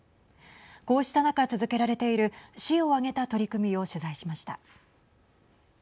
こうした中、続けられている市を挙げた取り組みを取材しました。